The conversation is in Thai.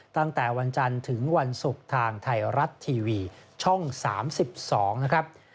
ตั้งแต่วันจันทร์ถึงวันศุกร์ทางไทยรัฐทีวีช่อง๓๒นะครับ